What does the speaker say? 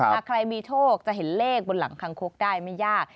หากใครมีโชคจะเห็นเลขบนหลังคางคกได้ไม่ยาก